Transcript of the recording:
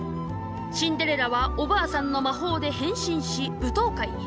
シンデレラはおばあさんの魔法で変身し舞踏会へ。